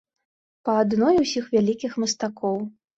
Па адной усіх вялікіх мастакоў.